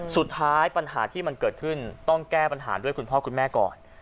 สุดท้ายปัญหาที่มันเกิดขึ้นต้องแก้ปัญหาด้วยคุณพ่อคุณแม่ก่อน